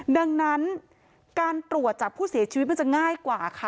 ดังนั้นการตรวจจากผู้เสียชีวิตมันจะง่ายกว่าค่ะ